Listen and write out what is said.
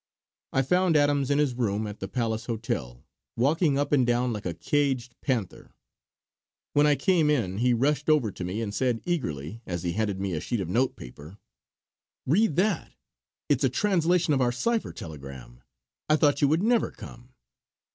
I found Adams in his room at the Palace Hotel, walking up and down like a caged panther. When I came in he rushed over to me and said eagerly as he handed me a sheet of note paper: "Read that; it is a translation of our cipher telegram. I thought you would never come!"